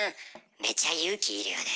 めちゃ勇気要るよね。